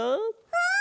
うん。